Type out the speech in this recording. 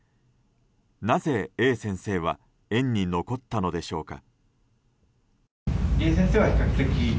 なぜＡ先生は園に残ったのでしょうか。